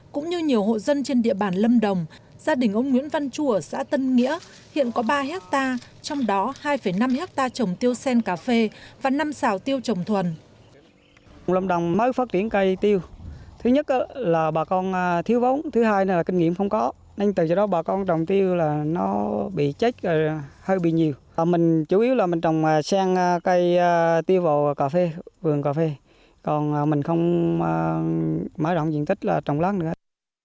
cũng như nhiều hộ dân trên địa bàn lâm đồng gia đình ông nguyễn văn chua ở xã tân nghĩa hiện có ba hectare trong đó hai năm hectare trồng tiêu sen cà phê và năm xào tiêu trồng thuần